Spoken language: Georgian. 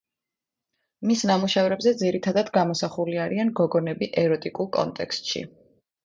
მის ნამუშევრებზე ძირითადად გამოსახულია არიან გოგონები ეროტიკულ კონტექსტში.